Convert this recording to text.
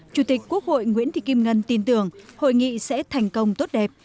chủ tịch quốc hội nguyễn thị kim ngân tin tưởng hội nghị sẽ thành công tốt đẹp